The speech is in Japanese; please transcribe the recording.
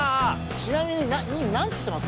ちなみになんつってます？